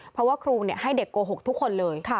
เพราะว่าครูให้เด็กโกหกทุกคนเลย